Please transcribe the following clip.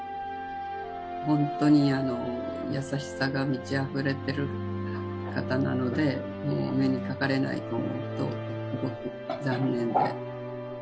本当に優しさが満ちあふれてる方なので、もうお目にかかれないと思うと、すごく残念で。